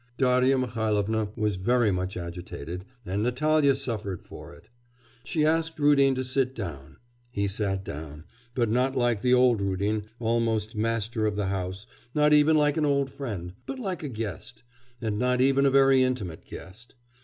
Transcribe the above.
Darya Mihailovna was very much agitated, and Natalya suffered for it She asked Rudin to sit down. He sat down, but not like the old Rudin, almost master of the house, not even like an old friend, but like a guest, and not even a very intimate guest.